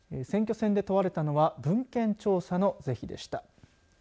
選挙戦で問われたのは文献調査の是非でした。